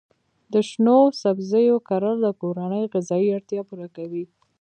د شنو سبزیو کرل د کورنۍ غذایي اړتیا پوره کوي.